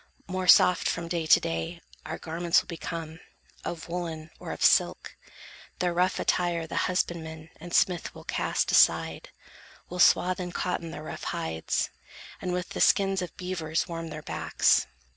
More soft, from day to day, our garments will Become, of woollen or of silk. Their rough Attire the husbandman and smith will cast Aside, will swathe in cotton their rough hides, And with the skins of beavers warm their backs.